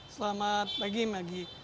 selamat pagi magi